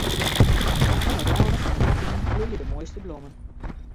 Oan 'e râne fan it ravyn bloeie de moaiste blommen.